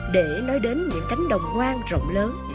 để nói đến những cánh đồng quang rộng lớn